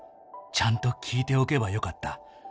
「ちゃんと聞いておけばよかった」